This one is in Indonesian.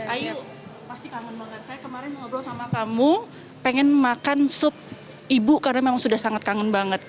ayo pasti kangen banget saya kemarin ngobrol sama kamu pengen makan sup ibu karena memang sudah sangat kangen banget